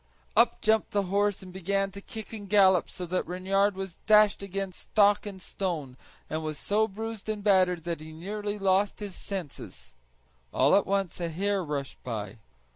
Up jumped the horse and began to kick and gallop so that Reynard was dashed against stock and stone, and was so bruised and battered that he nearly lost his senses. All at once a hare rushed by.